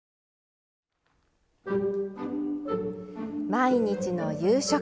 毎日の夕食。